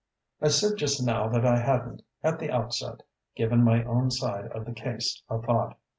"I said just now that I hadn't, at the outset, given my own side of the case a thought.